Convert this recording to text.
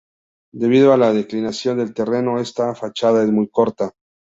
Debido a la inclinación del terreno, esta fachada es muy corta.